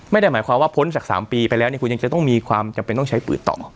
ไม่ได้หมายความว่าพ้นจาก๓ปีไปแล้วคุณยังจะต้องมีความจำเป็นต้องใช้ปืนต่อ